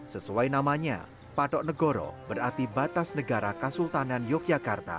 sesuai namanya patok negoro berarti batas negara kasultanan yogyakarta